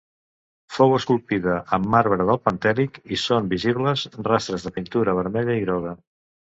Fou esculpida en marbre del Pentèlic, i són visibles rastres de pintura vermella i groga.